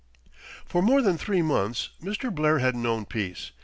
For more than three months Mr. Blair had known peace.